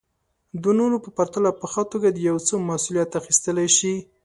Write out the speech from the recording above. د نورو په پرتله په ښه توګه د يو څه مسوليت اخيستلی شي.